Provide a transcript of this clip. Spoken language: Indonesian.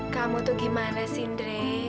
kamu tuh gimana sindri